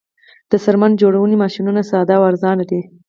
د څرمن جوړونې ماشینونه ساده او ارزانه دي